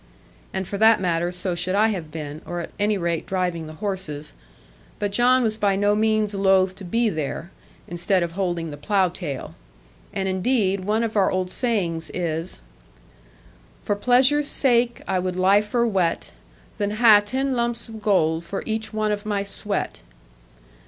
And for that matter so should I have been, or at any rate driving the horses; but John was by no means loath to be there, instead of holding the plough tail. And indeed, one of our old sayings is, For pleasure's sake I would liefer wet, Than ha' ten lumps of gold for each one of my sweat.